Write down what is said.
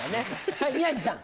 はい宮治さん。